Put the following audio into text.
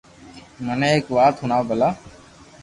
مني ايڪ وات ھڻاو ڀلا